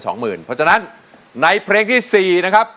เพราะฉะนั้นในเพลงที่๔นะครับ